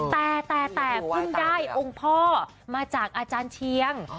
แต่แต่เพิ่งได้องค์พ่อมาจากอาจารย์เชียง